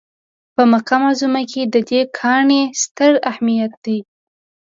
په مکه معظمه کې د دې کاڼي ستر اهمیت دی.